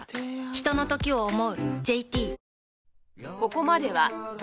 ひとのときを、想う。